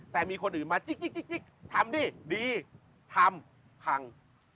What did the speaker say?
แต่มีคนอื่นมาจิ๊กทำดิดีทำพัง